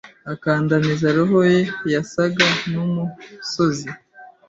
akandamiza roho ye yasaga numusozi